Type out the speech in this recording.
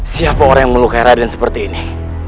siapa orang yang melukai raden seperti ini